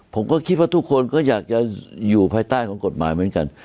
ผมก็คิดว่าทุกคนก็อยากจะอยู่ภายใต้ของกฎหมายเหมือนกัน